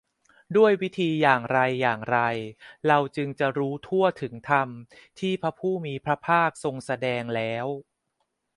ด้วยวิธีอย่างไรอย่างไร เราจึงจะรู้ทั่วถึงธรรมที่พระผู้มีพระภาคทรงแสดงแล้ว